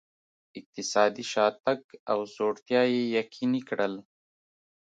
اقتصادي شاتګ او ځوړتیا یې یقیني کړل.